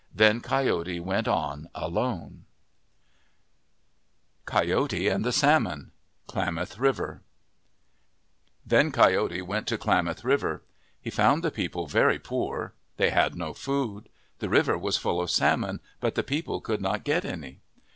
Then Coyote went on alone. 122 u w uj OF THE PACIFIC NORTHWEST COYOTE AND THE SALMON Klamath River THEN Coyote went to Klamath River. He found the people very poor. They had no food. The river was full of salmon but the people could not get any.